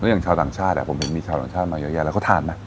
อย่างชาวต่างชาติผมเห็นมีชาวต่างชาติมาเยอะแยะแล้วเขาทานนะ